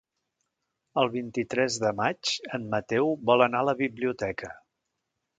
El vint-i-tres de maig en Mateu vol anar a la biblioteca.